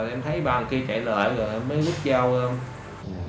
rồi em thấy bà kia trả lời rồi em mới góp giao